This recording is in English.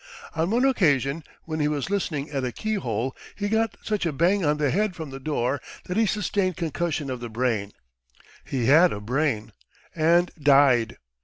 On one occasion, when he was listening at a keyhole, he got such a bang on the head from the door that he sustained concussion of the brain (he had a brain), and died.